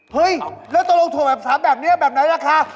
เฮ้ยแล้วตกลงถั่วแบบ๓แบบนี้แบบไหนราคา